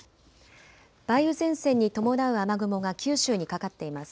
梅雨前線に伴う雨雲が九州にかかっています。